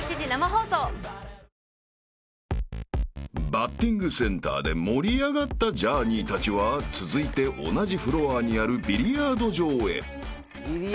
［バッティングセンターで盛り上がったジャーニーたちは続いて同じフロアにあるビリヤード場へ］